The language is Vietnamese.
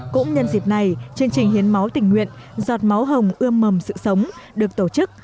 cũng nhân dịp này chương trình hiến máu tình nguyện giọt máu hồng ươm mầm sự sống được tổ chức